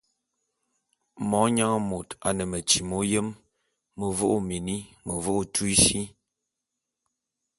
Monyang môt a ne metyi m'oyém; mevo'o ô mini, mevo'o ô tyui sí.